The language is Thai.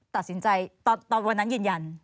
ตัดสินใจตอนวันนั้นยืนยัน